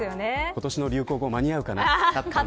今年の流行語、間に合うかな。